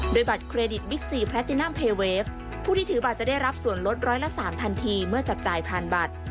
โดยบัตรเครดิตบิ๊กซีแพรตินัมเพเวฟผู้ที่ถือบัตรจะได้รับส่วนลดร้อยละ๓ทันทีเมื่อจับจ่ายผ่านบัตร